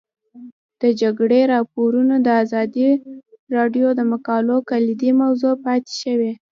د جګړې راپورونه د ازادي راډیو د مقالو کلیدي موضوع پاتې شوی.